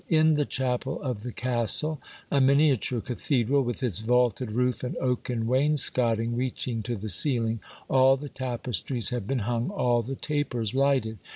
In the chapel of the castle, a miniature cathedral, with its vaulted roof and oaken wainscoting reaching to the ceiHng, all the tapestries have been hung, all the tapers lighted.